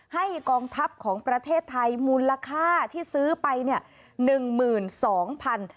กองทัพของประเทศไทยมูลค่าที่ซื้อไปเนี่ย